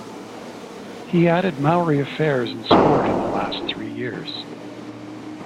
He added Maori Affairs and Sport in the last three years.